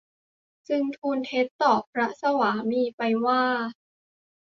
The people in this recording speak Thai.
จึงทูลเท็จต่อพระสวามีไปว่า